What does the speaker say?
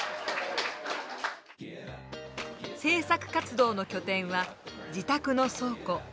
制作活動の拠点は自宅の倉庫。